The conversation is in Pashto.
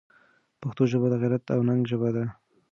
پښتو ژبه د غیرت او ننګ ژبه ده.